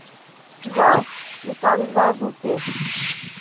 Жал, Микал изаже уке.